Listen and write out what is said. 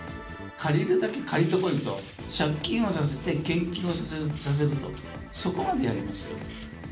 借りるだけ借りてこいと、借金をさせて献金をさせると、そこまでやりますよ。